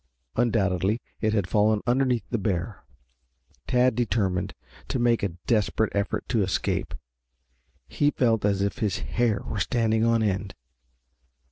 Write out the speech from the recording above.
Undoubtedly it had fallen underneath the bear. Tad determined to mate a desperate effort to escape. He felt as if his hair were standing on end.